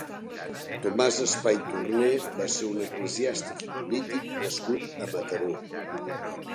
Tomàs Spà i Torner va ser un eclesiàstic i polític nascut a Mataró.